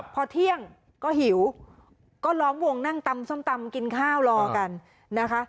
พอเที่ยงก็หิวก็ล้อมวงนั่งตำส้มตำกินข้าวรอกันนะคะ